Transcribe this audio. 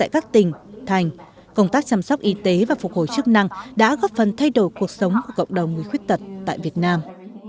các tỉnh thành công tác chăm sóc y tế và phục hồi chức năng đã góp phần thay đổi cuộc sống của cộng đồng người khuyết tật tại việt nam